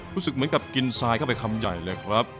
รู้สึกเหมือนกับกินทรายเข้าไปคำใหญ่เลยครับ